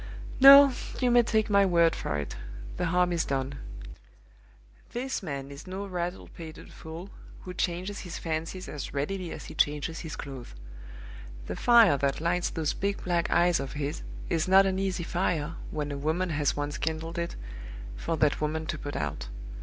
"No! you may take my word for it, the harm is done. This man is no rattle pated fool, who changes his fancies as readily as he changes his clothes. The fire that lights those big black eyes of his is not an easy fire, when a woman has once kindled it, for that woman to put out.